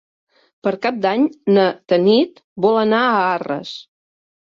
Per Cap d'Any na Tanit vol anar a Arres.